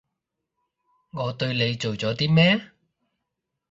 我對你做咗啲咩？